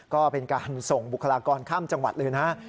ก็เป็นการส่งบุคลากรข้ามจังหวัดเลยนะ